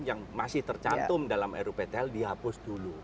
yang masih tercantum dalam ruptl dihapus dulu